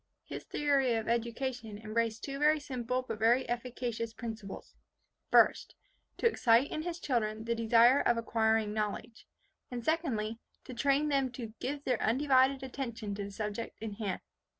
His theory of education embraced two very simple, but very efficacious principles. First, to excite in his children the desire of acquiring knowledge; and, secondly, to train them to give their undivided attention to the subject in hand.